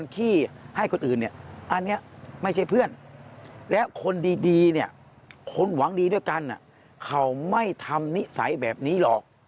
ถ้าทั้งดีด้วยกันเขาไม่ทำนิสัยแบบนี้หรอก